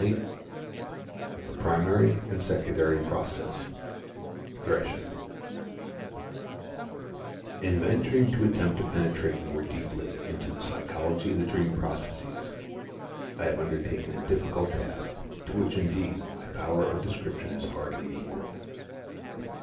VIII THE PRIMARY AND SECONDARY PROCESS REGRESSION In venturing to attempt to penetrate more deeply into the psychology of the dream processes, I have undertaken a difficult task, to which, indeed, my power of description is hardly equal.